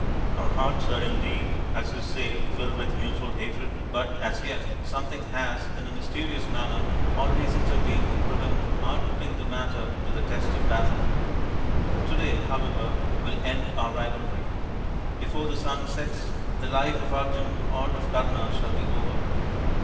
Our hearts are indeed, as you say, filled with mutual hatred, but as yet something has in a mysterious manner always intervened to prevent our putting the matter to the test of battle. To day, however, will end our rivalry. Before the sun sets the life of Arjun or of Karna shall be over.